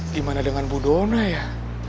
gimana dengan bu dona ya